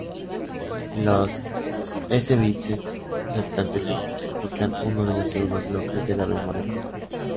Los s bytes restantes especifican uno de los segundos bloques de la memoria principal.